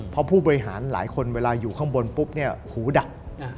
เพราะผู้บริหารหลายคนเวลาอยู่ข้างบนปุ๊บเนี่ยหูดับ